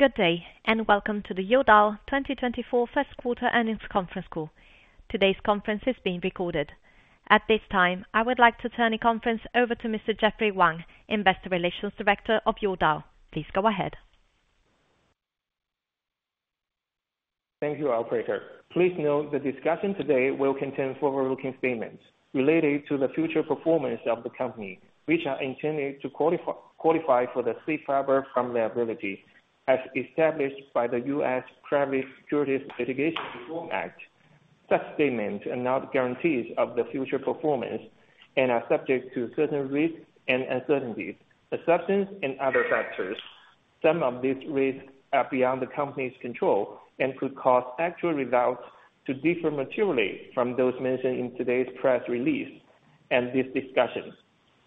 Good day, and welcome to the Youdao 2024 First Quarter Earnings Conference Call. Today's conference is being recorded. At this time, I would like to turn the conference over to Mr. Jeffrey Wang, Investor Relations Director of Youdao. Please go ahead. Thank you, Operator. Please note the discussion today will contain forward-looking statements related to the future performance of the company, which are intended to qualify for the safe harbor from liability, as established by the U.S. Private Securities Litigation Reform Act. Such statements are not guarantees of the future performance and are subject to certain risks and uncertainties, assumptions, and other factors. Some of these risks are beyond the company's control and could cause actual results to differ materially from those mentioned in today's press release and these discussions.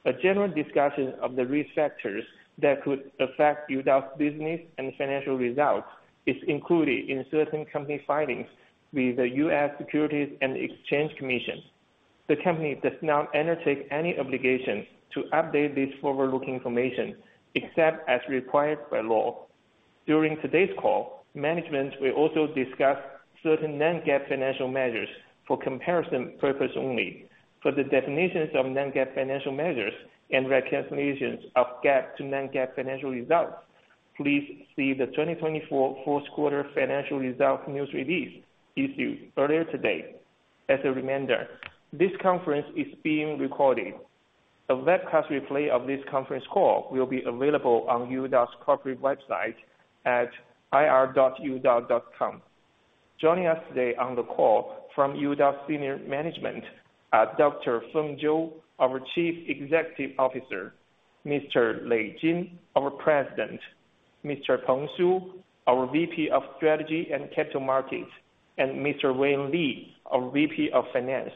A general discussion of the risk factors that could affect Youdao's business and financial results is included in certain company filings with the U.S. Securities and Exchange Commission. The company does not undertake any obligation to update this forward-looking information, except as required by law. During today's call, management will also discuss certain non-GAAP financial measures for comparison purpose only. For the definitions of non-GAAP financial measures and reconciliations of GAAP to non-GAAP financial results, please see the 2024 fourth quarter financial results news release issued earlier today. As a reminder, this conference is being recorded. A webcast replay of this conference call will be available on Youdao's corporate website at ir.youdao.com. Joining us today on the call from Youdao Senior Management are Dr. Feng Zhou, our Chief Executive Officer; Mr. Lei Jin, our President; Mr. Peng Su, our VP of Strategy and Capital Markets; and Mr. Wayne Li, our VP of Finance.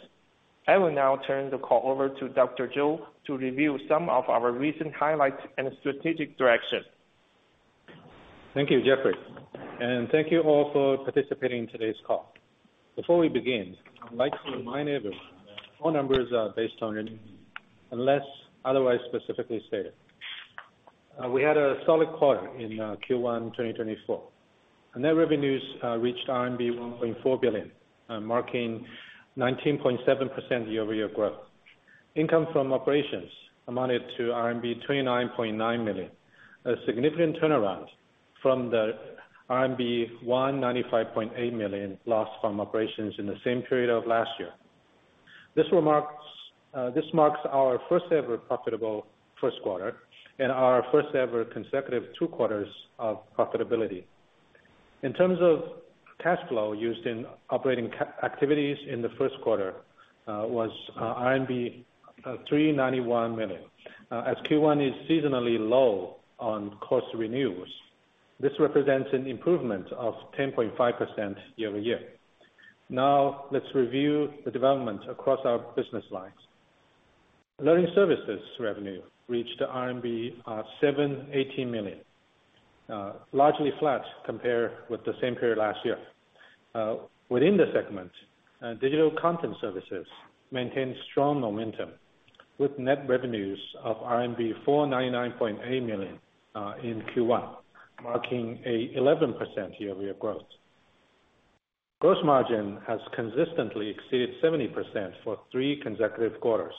I will now turn the call over to Dr. Zhou to review some of our recent highlights and strategic direction. Thank you, Jeffrey, and thank you all for participating in today's call. Before we begin, I'd like to remind everyone that all numbers are based on RMB, unless otherwise specifically stated. We had a solid quarter in Q1 2024. Net revenues reached RMB 1.4 billion, marking 19.7% year-over-year growth. Income from operations amounted to RMB 29.9 million, a significant turnaround from the RMB 195.8 million loss from operations in the same period of last year. This marks our first ever profitable first quarter and our first ever consecutive two quarters of profitability. In terms of cash flow used in operating activities in the first quarter, was RMB 391 million. As Q1 is seasonally low on course renewals, this represents an improvement of 10.5% year-over-year. Now, let's review the developments across our business lines. Learning services revenue reached RMB 718 million, largely flat compared with the same period last year. Within the segment, digital content services maintained strong momentum, with net revenues of RMB 499.8 million in Q1, marking an 11% year-over-year growth. Gross margin has consistently exceeded 70% for three consecutive quarters.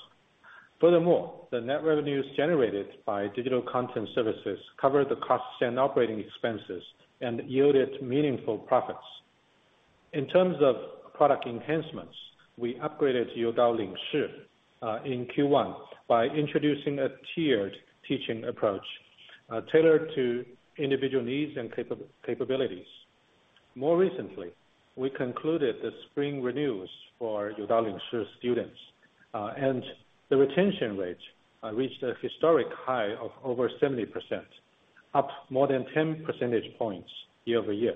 Furthermore, the net revenues generated by digital content services covered the costs and operating expenses and yielded meaningful profits. In terms of product enhancements, we upgraded Youdao Lingshi in Q1 by introducing a tiered teaching approach tailored to individual needs and capabilities. More recently, we concluded the spring reviews for Youdao Lingshi students, and the retention rates reached a historic high of over 70%, up more than 10 percentage points year-over-year.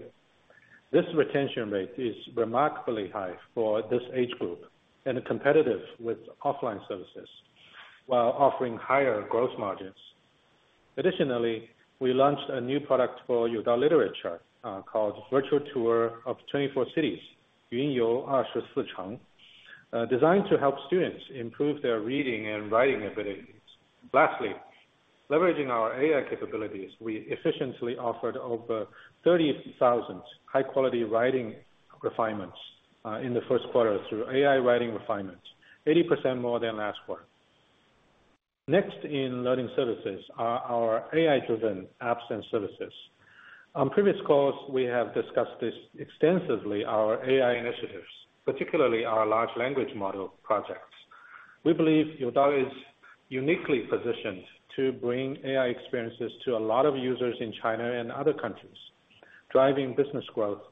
This retention rate is remarkably high for this age group and competitive with offline services, while offering higher growth margins. Additionally, we launched a new product for Youdao Literature, called Virtual Tour of Twenty-Four Cities, Yun You Er Shi Si Cheng, designed to help students improve their reading and writing abilities. Lastly, leveraging our AI capabilities, we efficiently offered over 30,000 high-quality writing refinements in the first quarter through AI writing refinements, 80% more than last quarter. Next in learning services are our AI-driven apps and services. On previous calls, we have discussed this extensively, our AI initiatives, particularly our large language model projects. We believe Youdao is uniquely positioned to bring AI experiences to a lot of users in China and other countries, driving business growth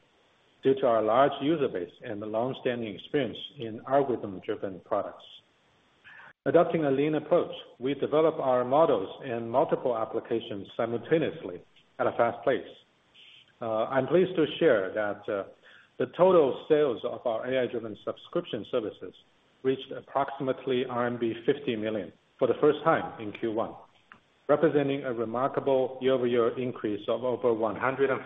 due to our large user base and the long-standing experience in algorithm-driven products. Adopting a lean approach, we develop our models in multiple applications simultaneously at a fast pace. I'm pleased to share that the total sales of our AI-driven subscription services reached approximately RMB 50 million for the first time in Q1, representing a remarkable year-over-year increase of over 140%....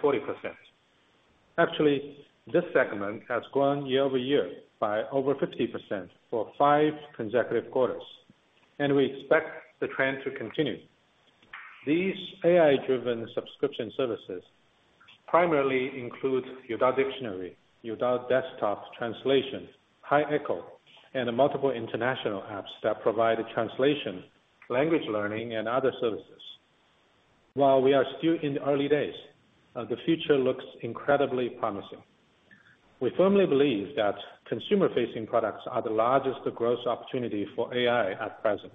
Actually, this segment has grown year-over-year by over 50% for 5 consecutive quarters, and we expect the trend to continue. These AI-driven subscription services primarily include Youdao Dictionary, Youdao Desktop Translation, HiEcho, and multiple international apps that provide translation, language learning, and other services. While we are still in the early days, the future looks incredibly promising. We firmly believe that consumer-facing products are the largest growth opportunity for AI at present,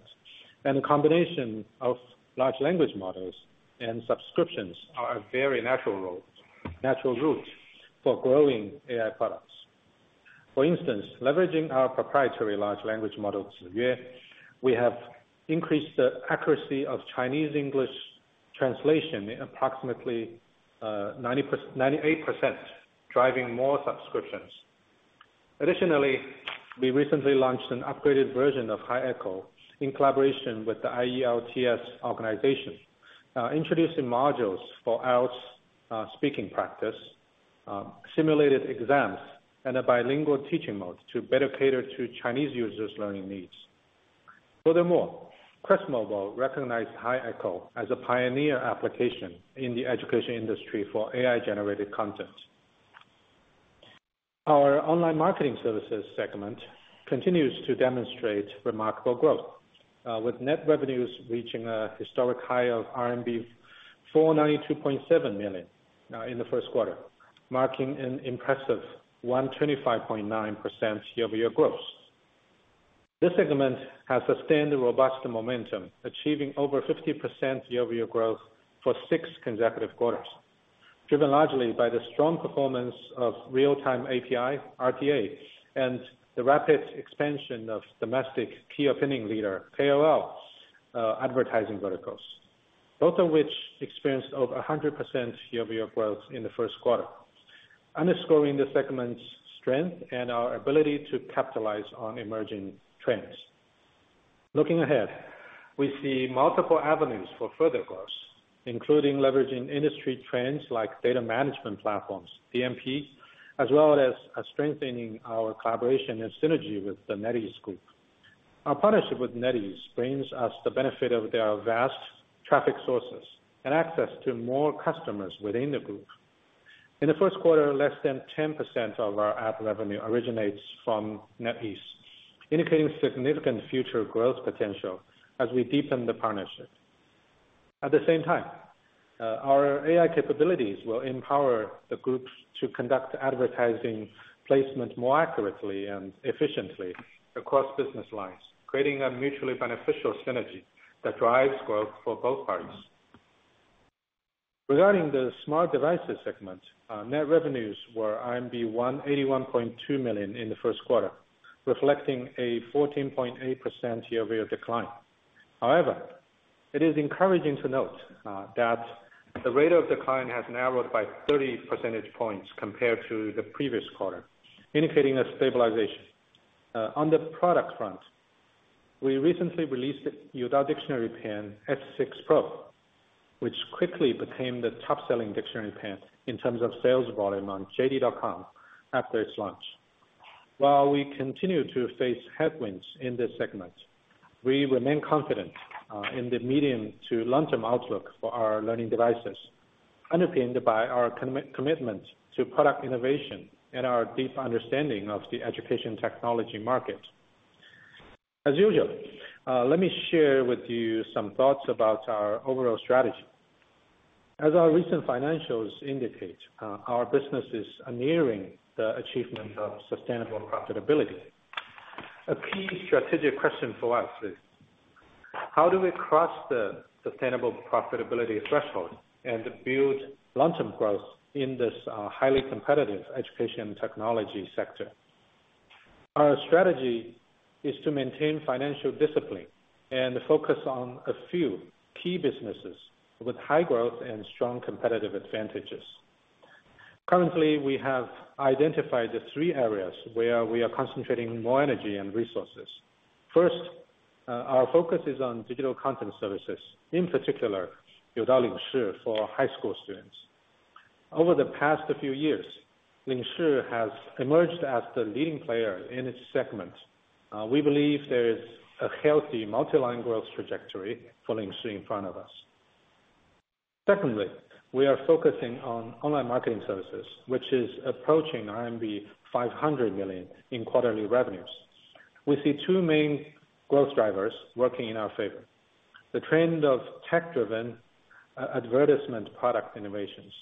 and the combination of large language models and subscriptions are a very natural road, natural route for growing AI products. For instance, leveraging our proprietary large language model, Ziyue, we have increased the accuracy of Chinese-English translation approximately 98%, driving more subscriptions. Additionally, we recently launched an upgraded version of HiEcho in collaboration with the IELTS organization, introducing modules for IELTS speaking practice, simulated exams, and a bilingual teaching mode to better cater to Chinese users' learning needs. Furthermore, QuestMobile recognized HiEcho as a pioneer application in the education industry for AI-generated content. Our online marketing services segment continues to demonstrate remarkable growth, with net revenues reaching a historic high of RMB 492.7 million in the first quarter, marking an impressive 125.9% year-over-year growth. This segment has sustained a robust momentum, achieving over 50% year-over-year growth for six consecutive quarters, driven largely by the strong performance of real-time API, RTA, and the rapid expansion of domestic key opinion leader, KOL, advertising verticals, both of which experienced over 100% year-over-year growth in the first quarter, underscoring the segment's strength and our ability to capitalize on emerging trends. Looking ahead, we see multiple avenues for further growth, including leveraging industry trends like data management platforms, DMP, as well as strengthening our collaboration and synergy with the NetEase Group. Our partnership with NetEase brings us the benefit of their vast traffic sources and access to more customers within the group. In the first quarter, less than 10% of our ad revenue originates from NetEase, indicating significant future growth potential as we deepen the partnership. At the same time, our AI capabilities will empower the groups to conduct advertising placement more accurately and efficiently across business lines, creating a mutually beneficial synergy that drives growth for both parties. Regarding the smart devices segment, net revenues were 181.2 million in the first quarter, reflecting a 14.8% year-over-year decline. However, it is encouraging to note, that the rate of decline has narrowed by 30 percentage points compared to the previous quarter, indicating a stabilization. On the product front, we recently released the Youdao Dictionary Pen S6 Pro, which quickly became the top-selling dictionary pen in terms of sales volume on JD.com after its launch. While we continue to face headwinds in this segment, we remain confident in the medium to long-term outlook for our learning devices, underpinned by our commitment to product innovation and our deep understanding of the education technology market. As usual, let me share with you some thoughts about our overall strategy. As our recent financials indicate, our business is nearing the achievement of sustainable profitability. A key strategic question for us is: How do we cross the sustainable profitability threshold and build long-term growth in this highly competitive education technology sector? Our strategy is to maintain financial discipline and focus on a few key businesses with high growth and strong competitive advantages. Currently, we have identified the three areas where we are concentrating more energy and resources. First, our focus is on digital content services, in particular, Youdao Lingshi, for high school students. Over the past few years, Lingshi has emerged as the leading player in its segment. We believe there is a healthy multi-line growth trajectory for Lingshi in front of us. Secondly, we are focusing on online marketing services, which is approaching RMB 500 million in quarterly revenues. We see two main growth drivers working in our favor: the trend of tech-driven advertisement product innovations,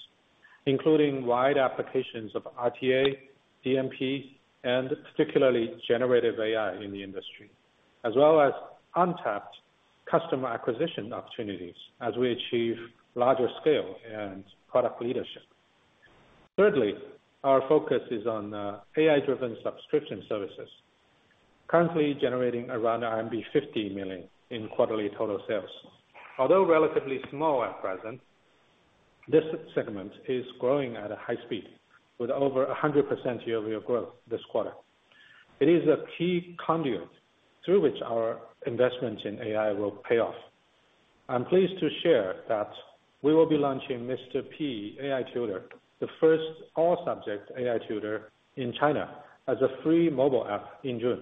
including wide applications of RTA, DMP, and particularly generative AI in the industry, as well as untapped customer acquisition opportunities as we achieve larger scale and product leadership. Thirdly, our focus is on AI-driven subscription services, currently generating around RMB 50 million in quarterly total sales. Although relatively small at present, this segment is growing at a high speed, with over 100% year-over-year growth this quarter. It is a key conduit through which our investment in AI will pay off. I'm pleased to share that we will be launching Mr. P AI Tutor, the first all-subject AI tutor in China, as a free mobile app in June.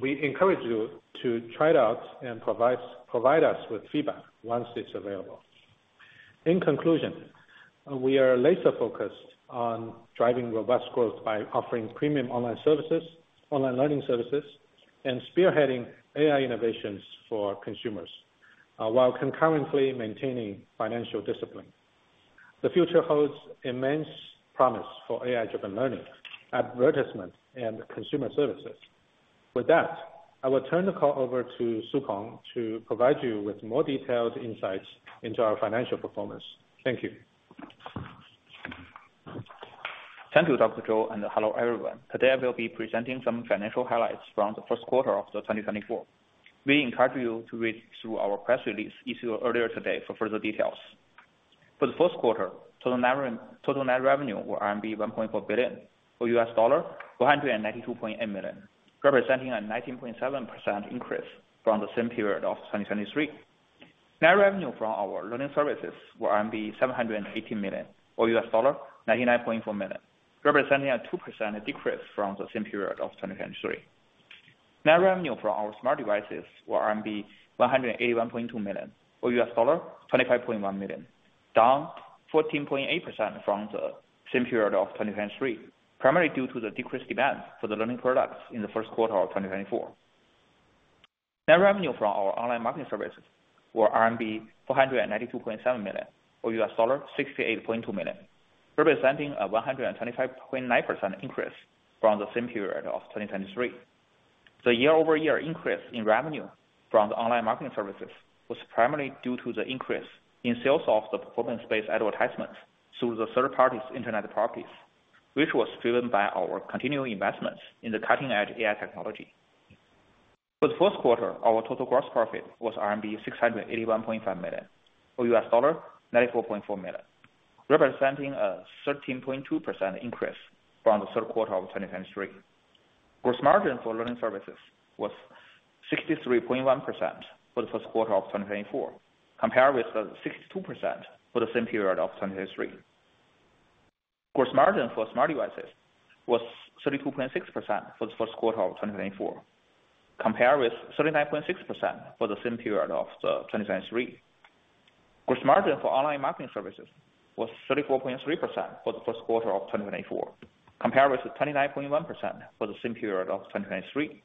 We encourage you to try it out and provide us with feedback once it's available. In conclusion, we are laser-focused on driving robust growth by offering premium online services, online learning services, and spearheading AI innovations for consumers, while concurrently maintaining financial discipline. The future holds immense promise for AI-driven learning, advertisement, and consumer services. With that, I will turn the call over to Peng Su to provide you with more detailed insights into our financial performance. Thank you. Thank you, Dr. Zhou, and hello, everyone. Today I will be presenting some financial highlights from the first quarter of 2024. We encourage you to read through our press release issued earlier today for further details. For the first quarter, total net revenue were RMB 1.4 billion, or $192.8 million, representing a 19.7% increase from the same period of 2023. Net revenue from our learning services were 780 million, or $99.4 million, representing a 2% decrease from the same period of 2023. Net revenue from our smart devices were 181.2 million, or $25.1 million, down 14.8% from the same period of 2023, primarily due to the decreased demand for the learning products in the first quarter of 2024. Net revenue from our online marketing services were RMB 492.7 million or $68.2 million, representing a 125.9% increase from the same period of 2023. The year-over-year increase in revenue from the online marketing services was primarily due to the increase in sales of the performance-based advertisements through the third party's internet properties, which was driven by our continuing investments in the cutting-edge AI technology. For the first quarter, our total gross profit was RMB 681.5 million, or $94.4 million, representing a 13.2% increase from the third quarter of 2023. Gross margin for learning services was 63.1% for the first quarter of 2024, compared with 62% for the same period of 2023. Gross margin for smart devices was 32.6% for the first quarter of 2024, compared with 39.6% for the same period of 2023. Gross margin for online marketing services was 34.3% for the first quarter of 2024, compared with the 29.1% for the same period of 2023.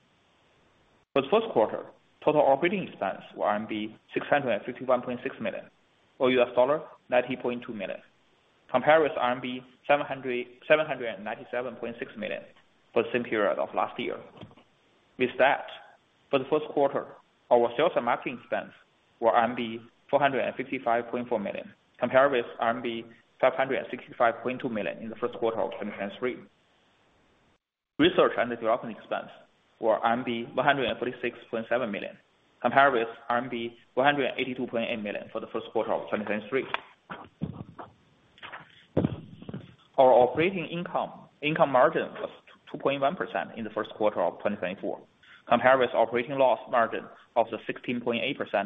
For the first quarter, total operating expense were RMB 651.6 million, or $90.2 million, compared with RMB 797.6 million for the same period of last year. With that, for the first quarter, our sales and marketing expense were RMB 455.4 million, compared with RMB 565.2 million in the first quarter of 2023. Research and the development expense were RMB 136.7 million, compared with RMB 182.8 million for the first quarter of 2023. Our operating income margin was 2.1% in the first quarter of 2024, compared with operating loss margin of the 16.8%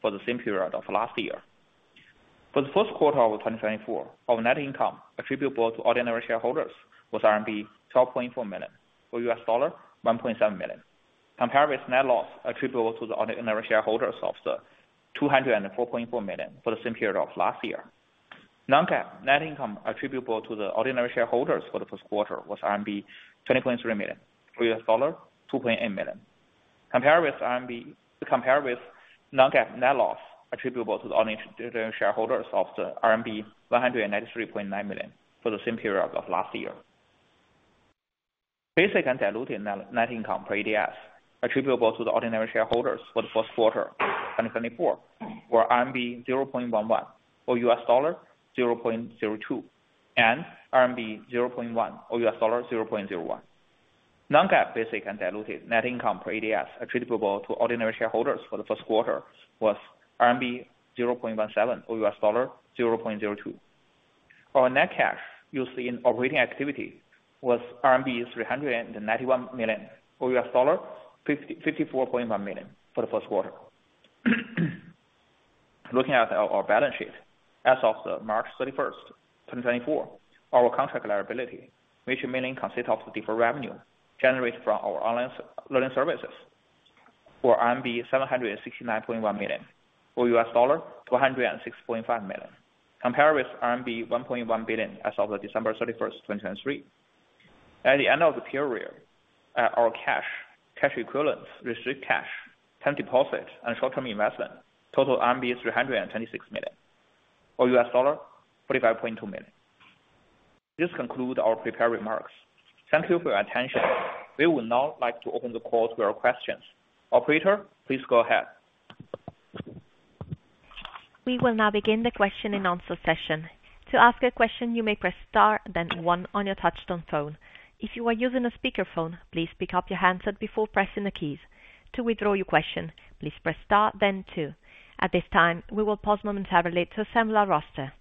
for the same period of last year. For the first quarter of 2024, our net income attributable to ordinary shareholders was RMB 12.4 million, or $1.7 million, compared with net loss attributable to the ordinary shareholders of 204.4 million for the same period of last year. Non-GAAP net income attributable to the ordinary shareholders for the first quarter was RMB 20.3 million, or $2.8 million, compared with non-GAAP net loss attributable to the ordinary shareholders of RMB 193.9 million for the same period of last year. Basic and diluted net, net income per ADS attributable to the ordinary shareholders for the first quarter 2024, were RMB 0.11, or $0.02, and RMB 0.1, or $0.01. Non-GAAP basic and diluted net income per ADS attributable to ordinary shareholders for the first quarter was CNY 0.17, or $0.02. Our net cash used in operating activity was CNY 391 million, or $54.1 million for the first quarter. Looking at our balance sheet, as of March 31, 2024, our contract liability, which mainly consists of the deferred revenue generated from our online learning services, was RMB 769.1 million, or $106.5 million, compared with RMB 1.1 billion as of December 31, 2023. At the end of the period, our cash, cash equivalents, restricted cash, term deposits, and short-term investments total RMB 326 million, or $45.2 million. This concludes our prepared remarks. Thank you for your attention. We would now like to open the call to your questions. Operator, please go ahead. We will now begin the question and answer session. To ask a question, you may press star, then one on your touch-tone phone. If you are using a speakerphone, please pick up your handset before pressing the keys. To withdraw your question, please press star then two. At this time, we will pause momentarily to assemble our roster...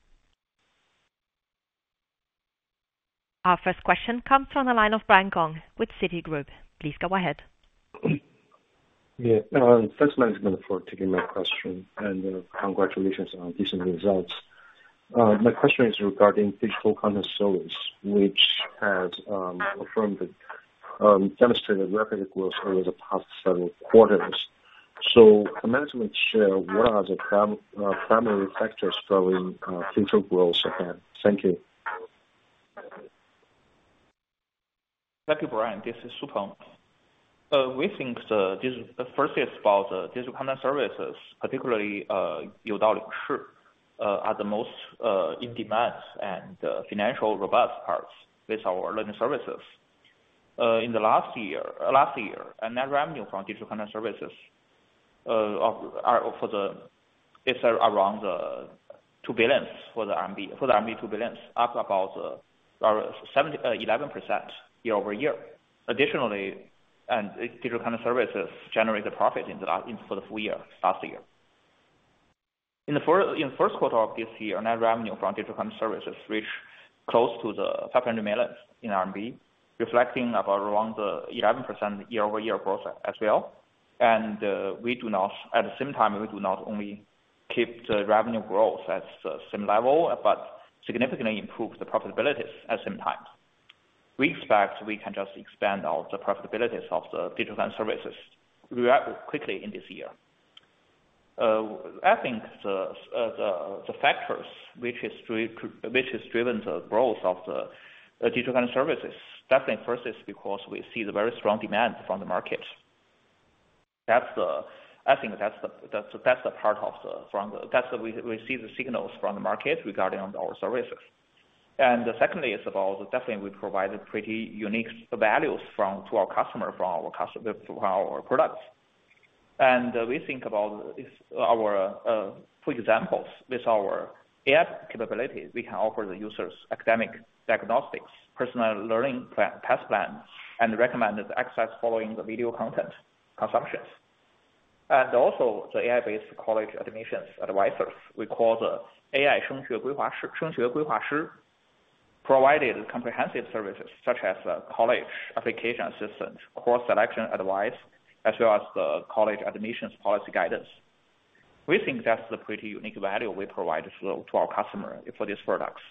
Our first question comes from the line of Brian Gong with Citigroup. Please go ahead. Yeah, thanks management for taking my question, and, congratulations on decent results. My question is regarding digital content service, which has affirmed demonstrated rapid growth over the past several quarters. So can management share what are the primary factors driving future growth again? Thank you. Thank you, Brian. This is Peng Su. We think this, firstly, it's about the digital content services, particularly, are the most in demand and financially robust parts with our learning services. In the last year, our net revenue from digital content services of are for the it's around two billion RMB, up about 11% year-over-year. Additionally, digital content services generated profit in the last for the full year last year. In the first quarter of this year, net revenue from digital content services reached close to 500 million RMB, reflecting about around the 11% year-over-year growth as well. We do not, at the same time, we do not only keep the revenue growth at the same level, but significantly improve the profitabilities at the same time. We expect we can just expand on the profitabilities of the digital content services very quickly in this year. I think the factors which has driven the growth of the digital content services, definitely first is because we see the very strong demand from the market. That's the. I think that's the part from the. That's what we see the signals from the market regarding our services. And secondly, it's about definitely we provided pretty unique values from our products to our customers. We think about this. For examples, with our AI capabilities, we can offer the users academic diagnostics, personal learning plan, test plans, and recommended access following the video content consumptions. And also, the AI-based college admissions advisors. We call the AI college admission adviser, provided comprehensive services such as college application assistance, course selection advice, as well as the college admissions policy guidance. We think that's a pretty unique value we provide to our customer for these products.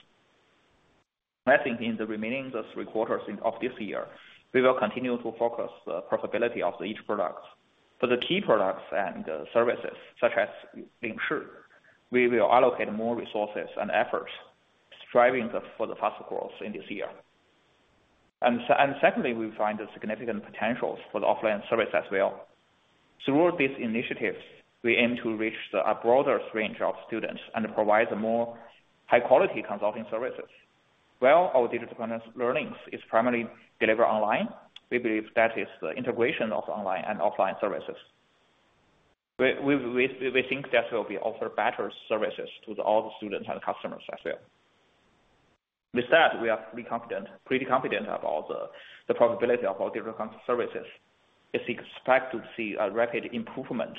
I think in the remaining three quarters of this year, we will continue to focus the profitability of each product. For the key products and services, such as Lingshi, we will allocate more resources and efforts striving for the faster growth in this year. And secondly, we find a significant potentials for the offline service as well. Through these initiatives, we aim to reach a broader range of students and provide more high quality consulting services. Well, our digital content learnings is primarily delivered online. We believe that is the integration of online and offline services. We think that will be offer better services to all the students and customers as well. With that, we are pretty confident, pretty confident about the profitability of our digital content services, as expect to see a rapid improvement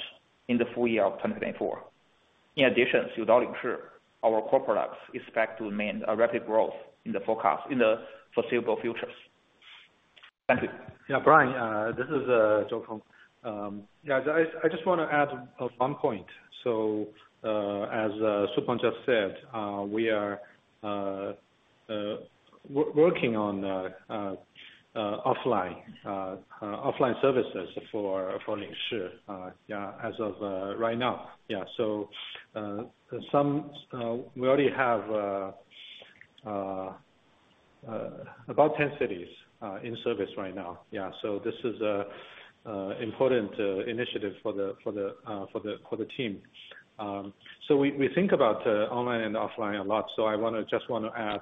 in the full year of 2024. In addition, with Lingshi, our core products is expected to remain a rapid growth in the forecast, in the foreseeable futures. Thank you. Yeah, Brian, this is Feng Zhou. Yeah, I just wanna add one point. So, as Peng Su just said, we are working on offline services for Lingshi, yeah, as of right now. Yeah, so we already have about 10 cities in service right now. Yeah, so this is an important initiative for the team. So we think about online and offline a lot, so I just wanna add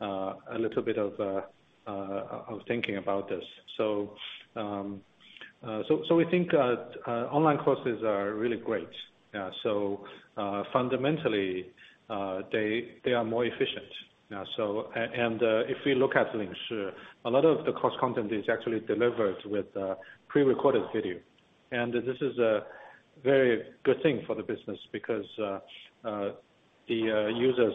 a little bit of thinking about this. So, so we think online courses are really great. So, fundamentally, they are more efficient. So, if we look at Lingshi, a lot of the course content is actually delivered with pre-recorded video. And this is a very good thing for the business because the users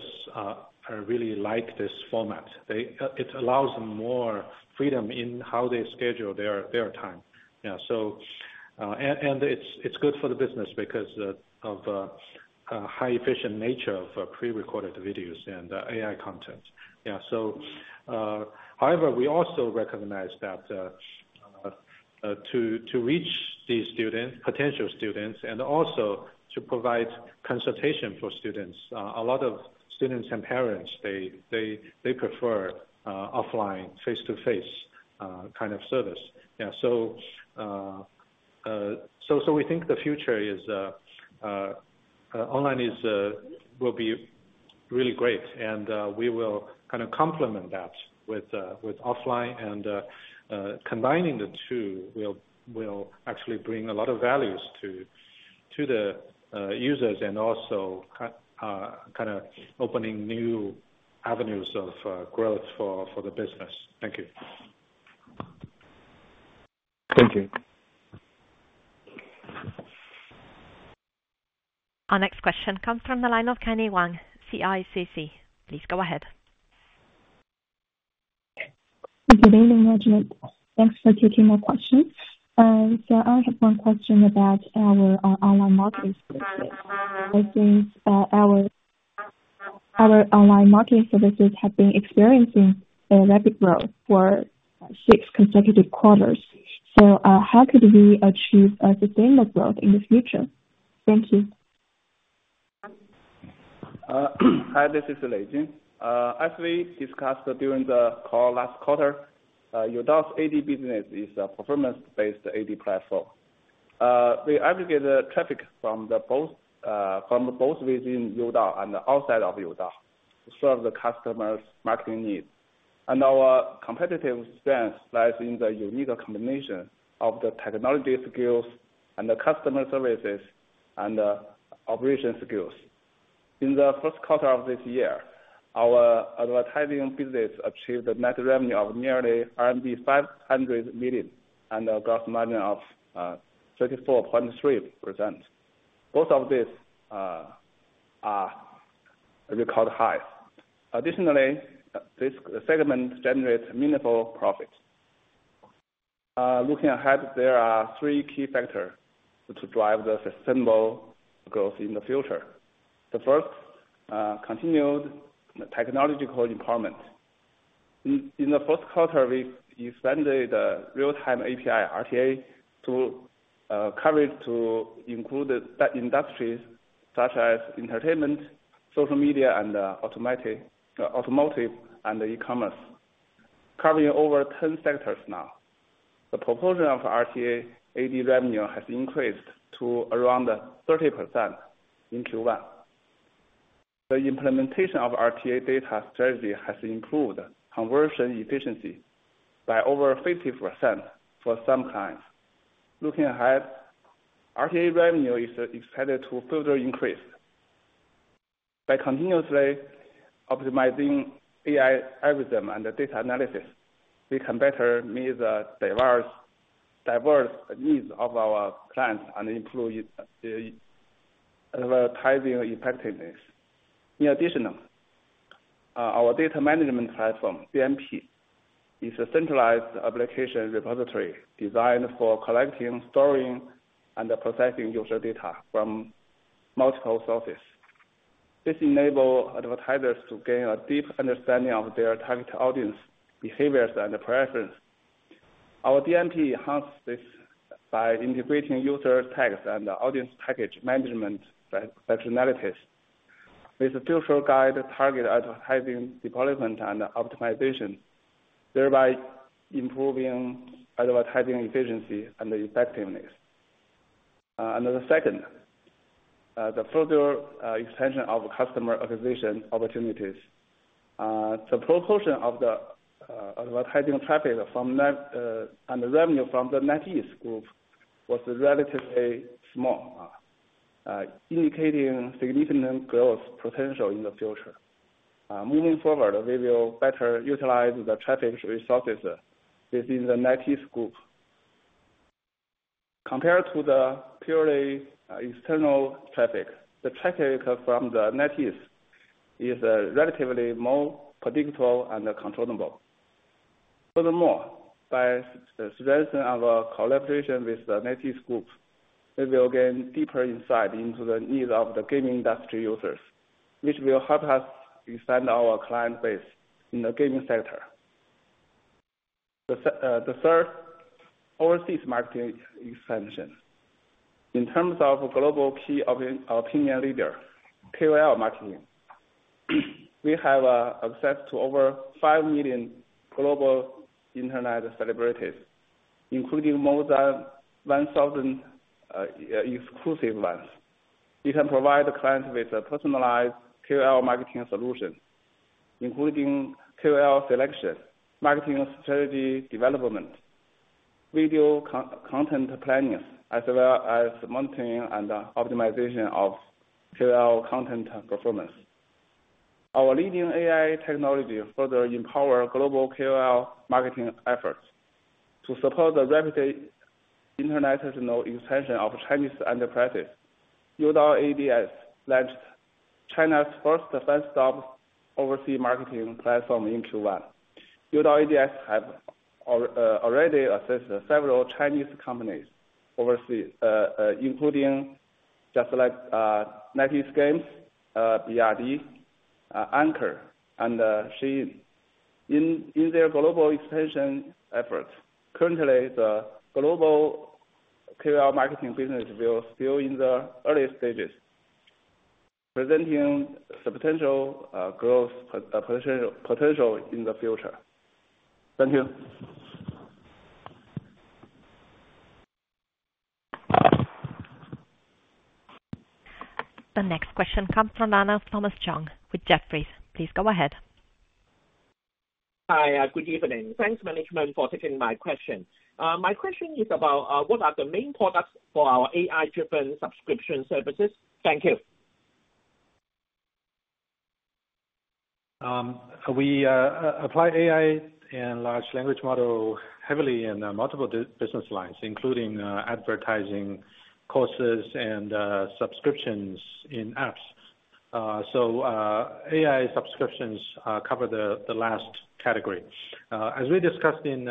really like this format. It allows them more freedom in how they schedule their time. Yeah, so, and it's good for the business because of high efficient nature of pre-recorded videos and AI content. Yeah, so, however, we also recognize that to reach these students, potential students, and also to provide consultation for students, a lot of students and parents, they prefer offline, face-to-face kind of service. Yeah, so we think the future is online, will be really great, and we will kind of complement that with offline and combining the two will actually bring a lot of values to the users and also kind of opening new avenues of growth for the business. Thank you. Thank you.... Our next question comes from the line of Kenny Wang, CICC. Please go ahead. Good evening, management. Thanks for taking my question. So I have one question about our online marketing services. It seems, our online marketing services have been experiencing a rapid growth for six consecutive quarters. So, how could we achieve sustainable growth in the future? Thank you. Hi, this is Lei Jin. As we discussed during the call last quarter, Youdao's AD business is a performance-based AD platform. We aggregate the traffic from both within Youdao and outside of Youdao to serve the customers' marketing needs. Our competitive stance lies in the unique combination of the technology skills and the customer services and the operation skills. In the first quarter of this year, our advertising business achieved a net revenue of nearly RMB 500 million and a gross margin of 34.3%. Both of these are record high. Additionally, this segment generates meaningful profits. Looking ahead, there are three key factors to drive the sustainable growth in the future. The first, continued technological empowerment. In the first quarter, we expanded the real-time API, RTA, to coverage to include the industries such as entertainment, social media, and automotive, and e-commerce. Covering over 10 sectors now, the proportion of RTA ad revenue has increased to around 30% in Q1. The implementation of RTA data strategy has improved conversion efficiency by over 50% for some clients. Looking ahead, RTA revenue is expected to further increase. By continuously optimizing AI algorithm and data analysis, we can better meet the diverse needs of our clients and improve the advertising effectiveness. In addition, our data management platform, DMP, is a centralized application repository designed for collecting, storing, and processing user data from multiple sources. This enables advertisers to gain a deep understanding of their target audience, behaviors, and preferences. Our DMP enhances this by integrating user tags and audience package management functionalities. This further guides targeted advertising deployment and optimization, thereby improving advertising efficiency and effectiveness. And the second, the further expansion of customer acquisition opportunities. The proportion of the advertising traffic from NetEase and the revenue from the NetEase group was relatively small, indicating significant growth potential in the future. Moving forward, we will better utilize the traffic resources within the NetEase group. Compared to the purely external traffic, the traffic from NetEase is relatively more predictable and controllable. Furthermore, by strengthening our collaboration with the NetEase group, we will gain deeper insight into the needs of the gaming industry users, which will help us expand our client base in the gaming sector. The third, overseas marketing expansion. In terms of global key opinion leader, KOL marketing, we have access to over 5 million global internet celebrities, including more than 1,000 exclusive ones. We can provide the clients with a personalized KOL marketing solution, including KOL selection, marketing strategy development, video content planning, as well as monitoring and optimization of KOL content performance. Our leading AI technology further empower global KOL marketing efforts. To support the rapid international expansion of Chinese enterprises, Youdao Ads launched China's first desktop overseas marketing platform in Q1. Youdao Ads have already assisted several Chinese companies overseas, including just like NetEase Games, BYD, Anker, and Shein in their global expansion efforts. Currently, the global KOL marketing business is still in the early stages, presenting substantial growth potential in the future. Thank you. The next question comes from the line of Thomas Chong with Jefferies. Please go ahead. Hi, good evening. Thanks management for taking my question. My question is about, what are the main products for our AI-driven subscription services? Thank you.... We apply AI and large language model heavily in multiple business lines, including advertising courses and subscriptions in apps. So, AI subscriptions cover the last category. As we discussed in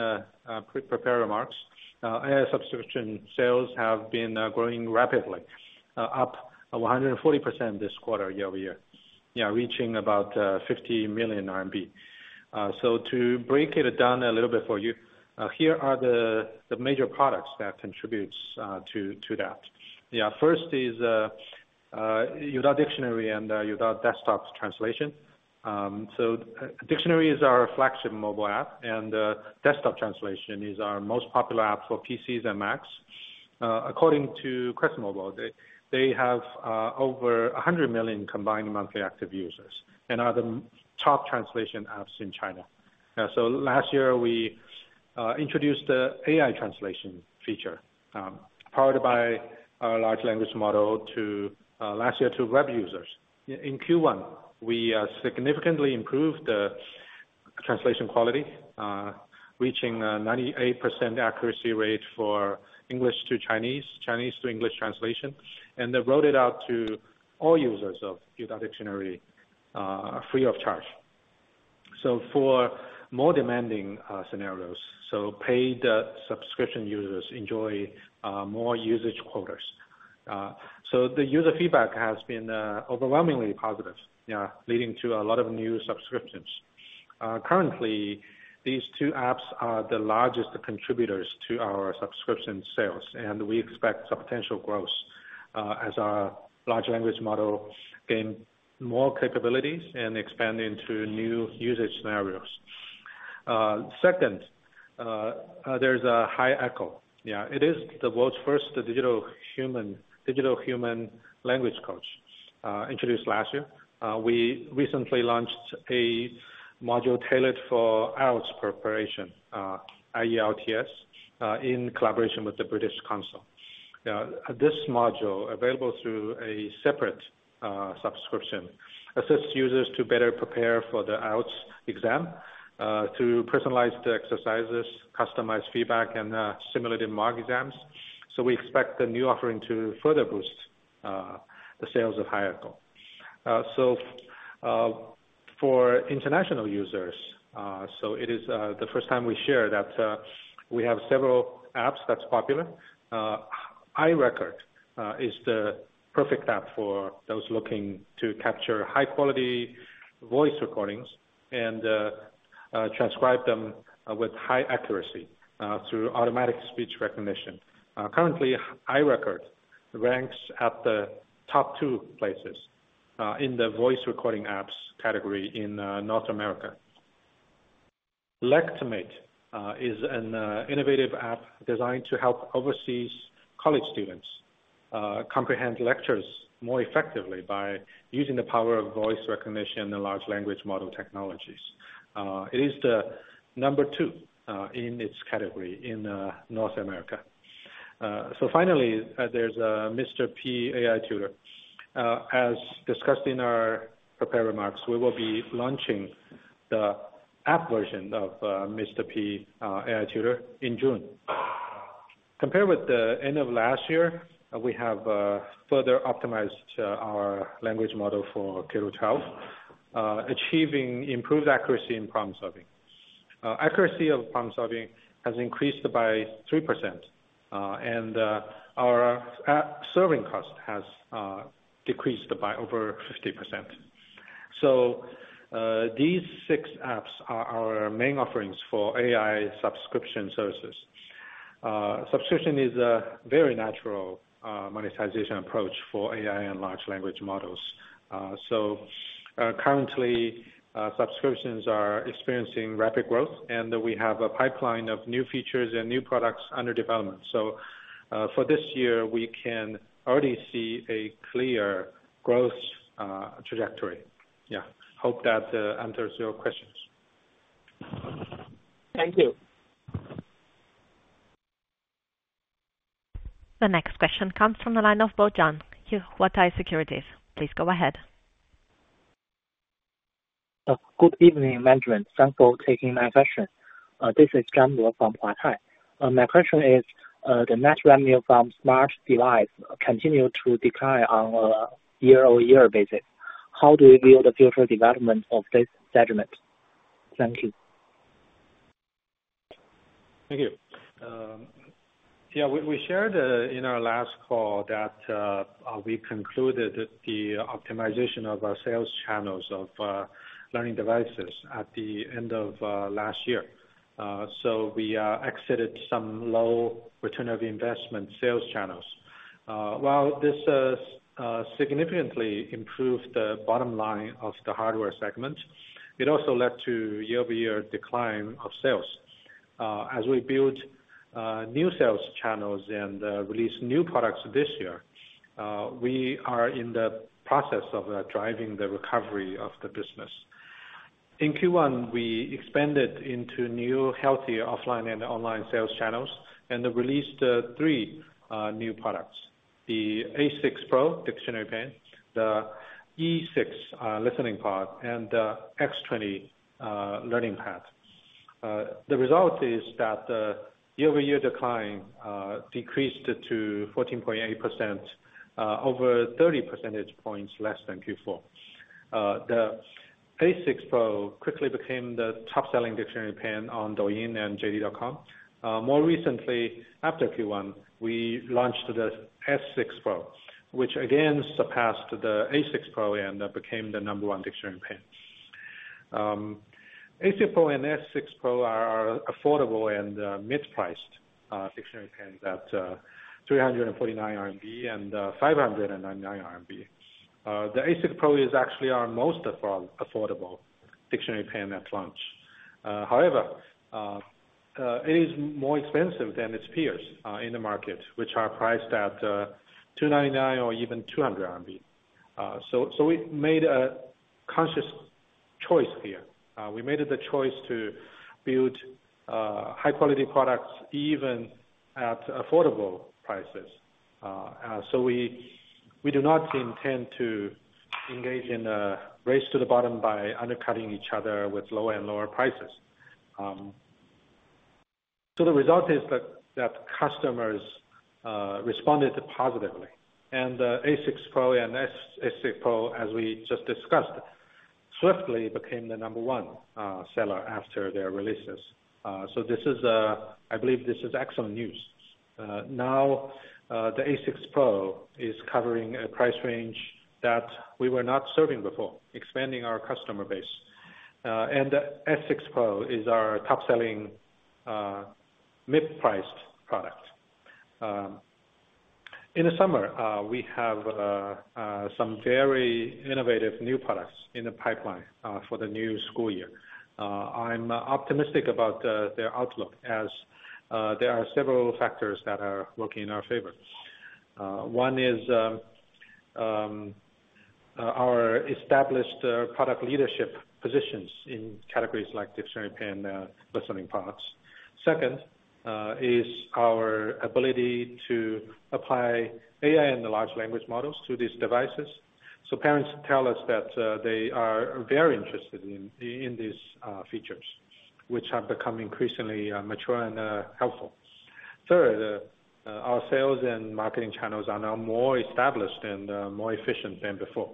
pre-prepared remarks, AI subscription sales have been growing rapidly, up 140% this quarter year-over-year. Yeah, reaching about 50 million RMB. So to break it down a little bit for you, here are the major products that contributes to that. Yeah, first is Youdao Dictionary and Youdao Desktop Translation. So dictionary is our flagship mobile app, and desktop translation is our most popular app for PCs and Macs. According to QuestMobile, they have over 100 million combined monthly active users and are the top translation apps in China. So last year, we introduced the AI translation feature, powered by our large language model to web users. In Q1, we significantly improved the translation quality, reaching 98% accuracy rate for English to Chinese, Chinese to English translation, and then rolled it out to all users of Youdao Dictionary, free of charge. So for more demanding scenarios, paid subscription users enjoy more usage quotas. So the user feedback has been overwhelmingly positive, yeah, leading to a lot of new subscriptions. Currently, these two apps are the largest contributors to our subscription sales, and we expect substantial growth, as our large language model gain more capabilities and expand into new usage scenarios. Second, there's HiEcho. Yeah, it is the world's first digital human, digital human language coach, introduced last year. We recently launched a module tailored for IELTS preparation, IELTS, in collaboration with the British Council. This module, available through a separate, subscription, assists users to better prepare for the IELTS exam, through personalized exercises, customized feedback, and, simulated mock exams. So we expect the new offering to further boost, the sales of HiEcho. So, for international users, so it is, the first time we share that, we have several apps that's popular. iRecord is the perfect app for those looking to capture high-quality voice recordings and transcribe them with high accuracy through automatic speech recognition. Currently, iRecord ranks at the top 2 places in the voice recording apps category in North America. LectMate is an innovative app designed to help overseas college students comprehend lectures more effectively by using the power of voice recognition and large language model technologies. It is the number 2 in its category in North America. So finally, there's Mr. P AI Tutor. As discussed in our prepared remarks, we will be launching the app version of Mr. P AI Tutor in June. Compared with the end of last year, we have further optimized our language model for K through 12, achieving improved accuracy in problem solving. Accuracy of problem solving has increased by 3%, and our app serving cost has decreased by over 50%. So, these six apps are our main offerings for AI subscription services. Subscription is a very natural monetization approach for AI and large language models. So, currently, subscriptions are experiencing rapid growth, and we have a pipeline of new features and new products under development. So, for this year, we can already see a clear growth trajectory. Yeah, hope that answers your questions. Thank you. The next question comes from the line of Bo Zhan, Huatai Securities. Please go ahead. Good evening, management. Thanks for taking my question. This is Bo Zhan from Huatai. My question is, the net revenue from smart devices continued to decline on a year-over-year basis. How do you view the future development of this segment? Thank you. Thank you. Yeah, we shared in our last call that we concluded that the optimization of our sales channels of learning devices at the end of last year. So we exited some low return of investment sales channels. While this has significantly improved the bottom line of the hardware segment, it also led to year-over-year decline of sales. As we build new sales channels and release new products this year, we are in the process of driving the recovery of the business. In Q1, we expanded into new, healthier offline and online sales channels and released 3 new products.... the A6 Pro dictionary pen, the E6 listening pod, and the X20 learning pad. The result is that the year-over-year decline decreased to 14.8%, over 30 percentage points less than Q4. The A6 Pro quickly became the top-selling dictionary pen on Douyin and JD.com. More recently, after Q1, we launched the S6 Pro, which again surpassed the A6 Pro and became the number one dictionary pen. A6 Pro and S6 Pro are affordable and mid-priced dictionary pens at 349 RMB and 599 RMB. The A6 Pro is actually our most affordable dictionary pen at launch. However, it is more expensive than its peers in the market, which are priced at 299 or even 200 RMB. So we made a conscious choice here. We made the choice to build high quality products even at affordable prices. So we do not intend to engage in a race to the bottom by undercutting each other with lower and lower prices. So the result is that customers responded positively, and the A6 Pro and S6 Pro, as we just discussed, swiftly became the number one seller after their releases. So this is, I believe, excellent news. Now the A6 Pro is covering a price range that we were not serving before, expanding our customer base. And the S6 Pro is our top-selling mid-priced product. In the summer we have some very innovative new products in the pipeline for the new school year. I'm optimistic about their outlook as there are several factors that are working in our favor. One is our established product leadership positions in categories like dictionary pen, listening products. Second is our ability to apply AI and the large language models to these devices. So parents tell us that they are very interested in these features, which have become increasingly mature and helpful. Third, our sales and marketing channels are now more established and more efficient than before.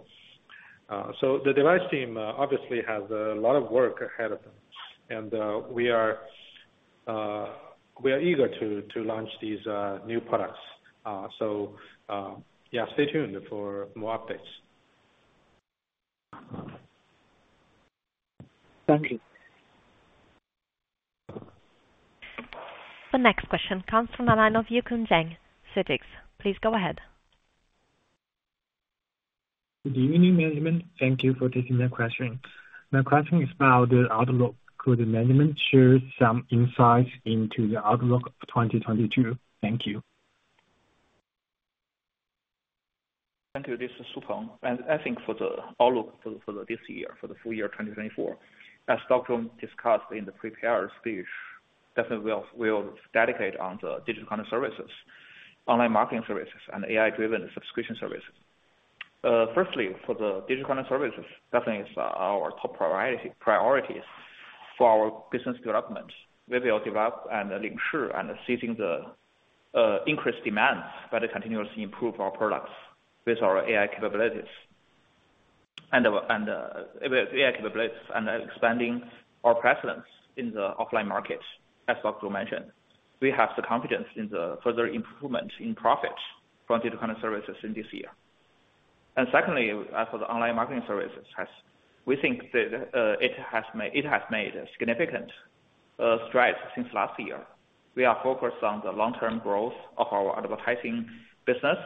So the device team obviously has a lot of work ahead of them, and we are eager to launch these new products. So, yeah, stay tuned for more updates. Thank you. The next question comes from the line of Youjun Zhang, CITIC. Please go ahead. Good evening, management. Thank you for taking my question. My question is about the outlook. Could the management share some insights into the outlook of 2022? Thank you. Thank you. This is Peng Su. And I think for the outlook for this year, for the full year 2024, as Dr. Wang discussed in the prepared speech, definitely we'll dedicate on the digital content services, online marketing services, and AI-driven subscription services. Firstly, for the digital content services, definitely is our top priority for our business development. We will develop and ensure and seizing the increased demands, but continuously improve our products with our AI capabilities. And AI capabilities and expanding our presence in the offline market. As Dr. Wang mentioned, we have the confidence in the further improvement in profits from digital content services in this year. And secondly, as for the online marketing services, we think that it has made a significant strides since last year. We are focused on the long-term growth of our advertising business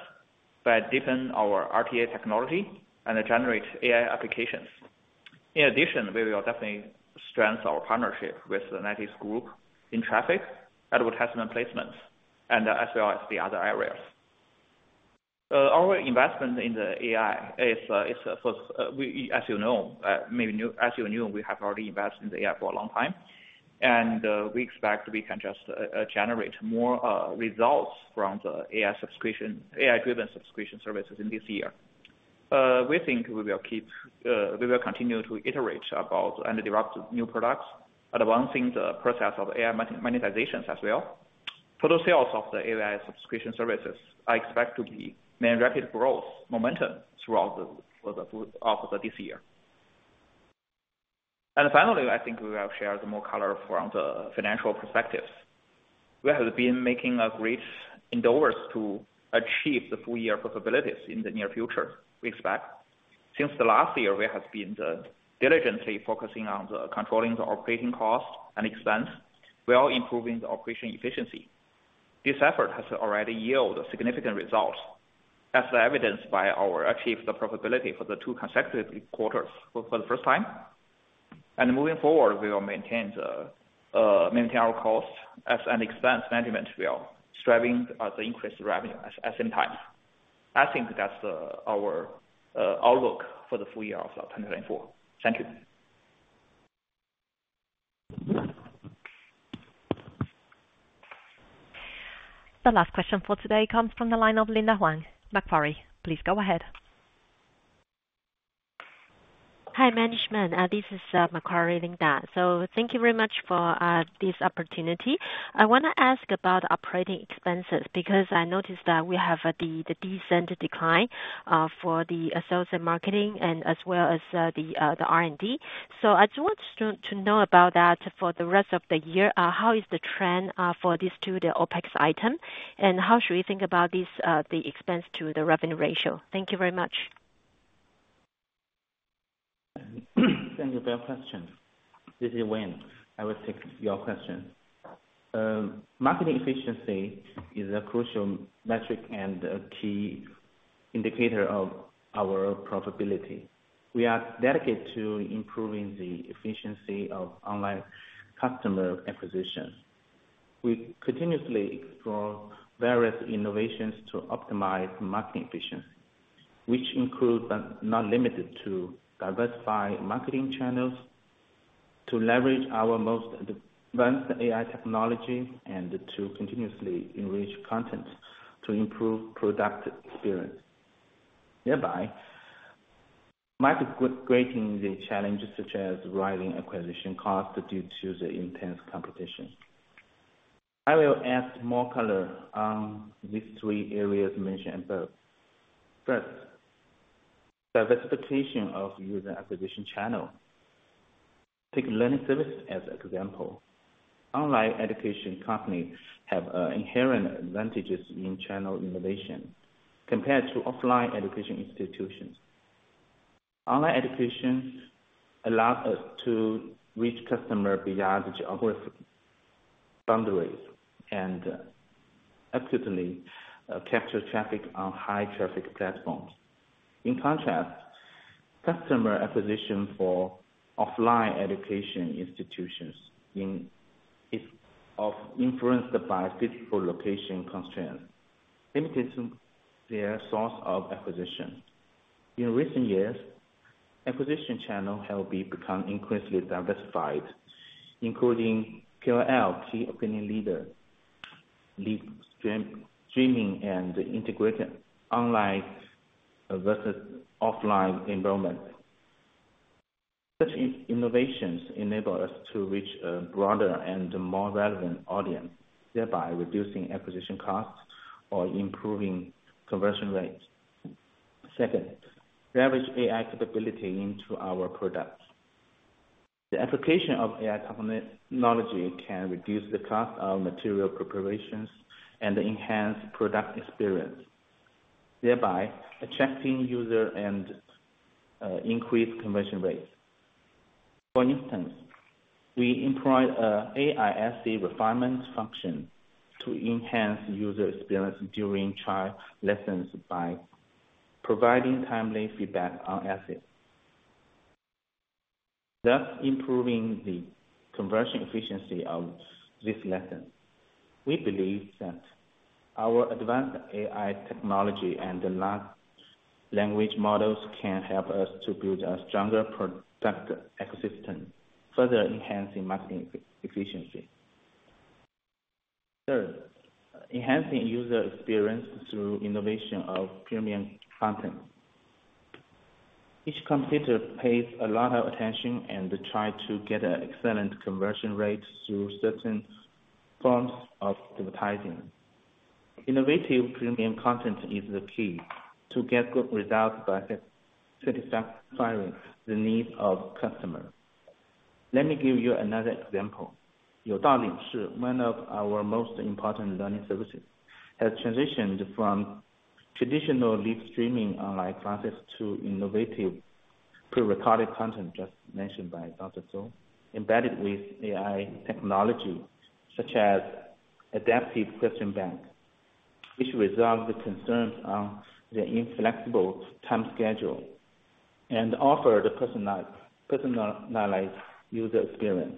by deepen our RTA technology and generate AI applications. In addition, we will definitely strengthen our partnership with the NetEase Group in traffic, advertisement placements, and as well as the other areas. Our investment in the AI is, as you know, we have already invested in the AI for a long time, and we expect we can just generate more results from the AI subscription, AI-driven subscription services in this year. We think we will continue to iterate about and develop new products, advancing the process of AI monetization as well. Total sales of the AI subscription services are expected to be rapid growth momentum throughout this year. Finally, I think we will share the more color from the financial perspectives. We have been making great endeavors to achieve the full year profitability in the near future, we expect. Since the last year, we have been diligently focusing on the controlling the operating costs and expense, while improving the operation efficiency. This effort has already yielded significant results, as evidenced by our achieve the profitability for the two consecutive quarters for the first time. Moving forward, we will maintain our costs as an expense management. We are striving to increase the revenue at the same time. I think that's our outlook for the full year of 2024. Thank you. The last question for today comes from the line of Linda Huang, Macquarie. Please go ahead. Hi, management. This is Macquarie, Linda. So thank you very much for this opportunity. I want to ask about operating expenses, because I noticed that we have the decent decline for the sales and marketing and as well as the R&D. So I just want to know about that for the rest of the year, how is the trend for these two, the OpEx item? And how should we think about this, the expense to the revenue ratio? Thank you very much. Thank you for your question. This is Wayne. I will take your question. Marketing efficiency is a crucial metric and a key indicator of our profitability. We are dedicated to improving the efficiency of online customer acquisition. We continuously explore various innovations to optimize marketing efficiency, which include, but not limited to diversify marketing channels, to leverage our most advanced AI technology, and to continuously enrich content to improve product experience. Thereby mitigating the challenges such as rising acquisition costs due to the intense competition. I will add more color on these three areas mentioned above. First, diversification of user acquisition channel. Take learning service as example. Online education companies have inherent advantages in channel innovation compared to offline education institutions. Online education allows us to reach customer beyond geographical boundaries and accurately capture traffic on high traffic platforms. In contrast, customer acquisition for offline education institutions in China is often influenced by physical location constraints, limiting their source of acquisition. In recent years, acquisition channels have become increasingly diversified, including KOL, key opinion leader, live streaming, and integrated online versus offline environment. Such innovations enable us to reach a broader and more relevant audience, thereby reducing acquisition costs or improving conversion rates. Second, leverage AI capability into our products. The application of AI technology can reduce the cost of material preparations and enhance product experience, thereby attracting user and increase conversion rates. For instance, we employ an ASR refinement function to enhance user experience during trial lessons by providing timely feedback on essay, thus improving the conversion efficiency of this lesson. We believe that our advanced AI technology and the language models can help us to build a stronger product ecosystem, further enhancing marketing efficiency. Third, enhancing user experience through innovation of premium content. Each competitor pays a lot of attention and try to get an excellent conversion rate through certain forms of advertising. Innovative premium content is the key to get good results by satisfying the needs of customers. Let me give you another example. Youdao Lingshi, one of our most important learning services, has transitioned from traditional live streaming online classes to innovative prerecorded content, just mentioned by Dr. Zhou, embedded with AI technology such as adaptive question bank, which resolve the concerns on the inflexible time schedule and offer the personalized user experience.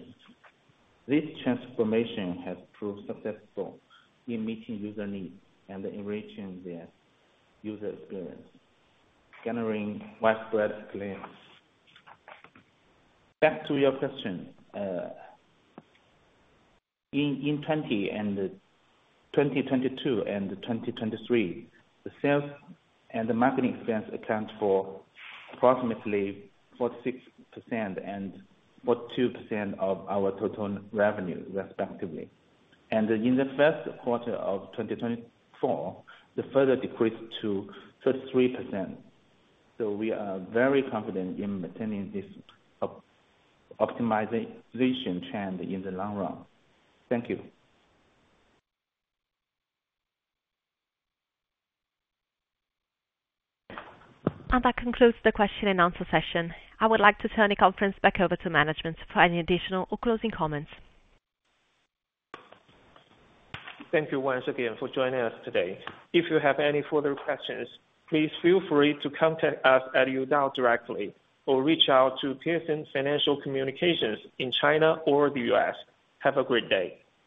This transformation has proved successful in meeting user needs and enriching the user experience, generating widespread claims. Back to your question, in 2020 and 2022 and 2023, the sales and marketing expense accounts for approximately 46% and 42% of our total revenue, respectively. In the first quarter of 2024, they further decreased to 33%. So we are very confident in maintaining this optimization trend in the long run. Thank you. That concludes the question and answer session. I would like to turn the conference back over to management for any additional or closing comments. Thank you once again for joining us today. If you have any further questions, please feel free to contact us at Youdao directly, or reach out to The Piacente Group in China or the U.S. Have a great day!